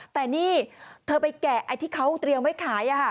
แต่นี่เธอไปแกะไอ้ที่เขาเตรียมไว้ขาย